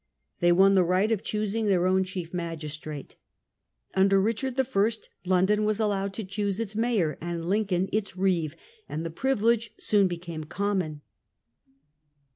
They won the right of choosing their own chief magistrate. Under Richard I. London was allowed to choose its mayor and Lincoln its reeve, and the privilege soon be came common.